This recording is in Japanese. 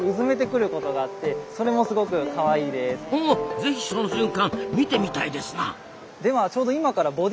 ぜひその瞬間見てみたいですな。